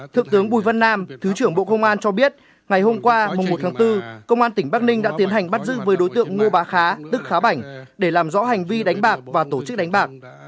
thượng tướng bùi văn nam thứ trưởng bộ công an cho biết ngày hôm qua một tháng bốn công an tỉnh bắc ninh đã tiến hành bắt giữ với đối tượng ngô bá khá tức khá bảnh để làm rõ hành vi đánh bạc và tổ chức đánh bạc